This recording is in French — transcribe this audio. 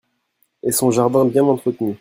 Et son jardin bien entretenu.